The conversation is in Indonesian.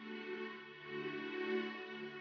panjang biar oyoku dilihat ungustar